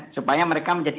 supaya mereka menjadi